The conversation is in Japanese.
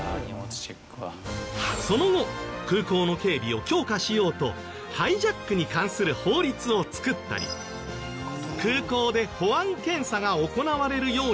その後空港の警備を強化しようとハイジャックに関する法律を作ったり空港で保安検査が行われるようになったんです。